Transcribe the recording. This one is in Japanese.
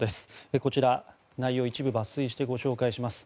こちら、内容を一部抜粋してご紹介します。